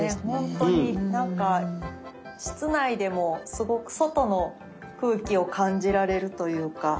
ほんとになんか室内でもすごく外の空気を感じられるというか。